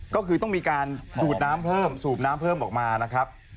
ก็คือต้องมีการดูดน้ำเพิ่มสูบน้ำเพิ่มออกมานะครับ